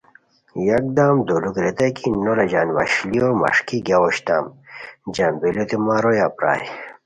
یکدم دولوک ریتائےکی نولہ ژان وشلیو مݰکی گیاؤ اوشتام جمبیلیوت مہ رویہ پرائے